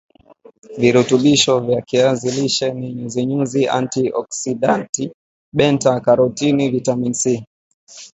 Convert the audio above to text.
virutubisho vya kiazi lishe ni nyuzinyuzi anti oksidanti beta karotini vitamini c